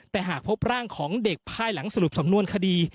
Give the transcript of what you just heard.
แต่หากพบร่างของเด็กภายหลังสรุปสำนวนคดี